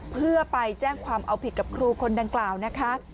เพื่อไปแจ้งความเอาผิดกับครูคนดังกล่าวนะคะ